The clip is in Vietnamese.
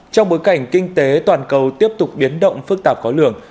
trong bối cảnh kinh tế toàn cầu tiếp tục biến động phức tạp khó lường